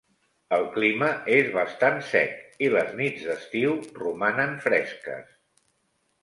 El clima és bastant sec i les nits d'estiu romanen fresques.